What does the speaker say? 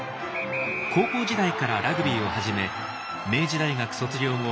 高校時代からラグビーを始め明治大学卒業後